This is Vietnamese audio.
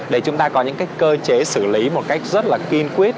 để chúng ta có những cơ chế xử lý một cách rất là kiên quyết